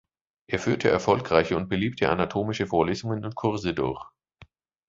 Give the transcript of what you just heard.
Er führte erfolgreiche und beliebte anatomische Vorlesungen und Kurse durch.